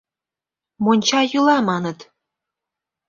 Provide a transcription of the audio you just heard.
— Монча йӱла, маныт.